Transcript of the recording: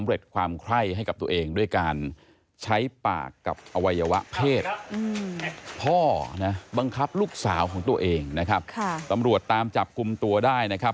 พ่อนะบังคับลูกสาวของตัวเองนะครับตำรวจตามจับกุมตัวได้นะครับ